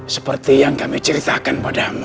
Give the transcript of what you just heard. seperti yang kami ceritakan padamu